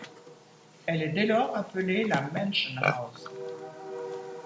Elle est dès lors appelée la Mansion House.